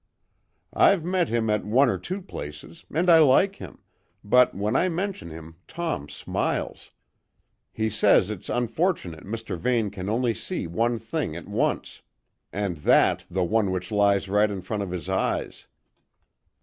"I've met him at one or two places, and I like him, but when I mention him, Tom smiles. He says it's unfortunate Mr. Vane can only see one thing at once, and that the one which lies right in front of his eyes.